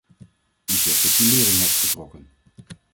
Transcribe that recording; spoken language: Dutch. U zegt dat u lering hebt getrokken.